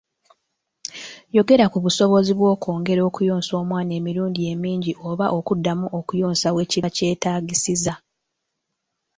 Yogera ku busobozi bw'okwongera okuyonsa omwana emirundi emingi oba okuddamu okuyonsa we kiba kyetaagisizza.